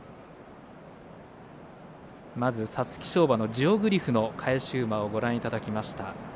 まず皐月賞馬のジオグリフの返し馬をご覧いただきました。